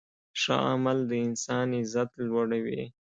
ښه عمل د انسان عزت لوړوي.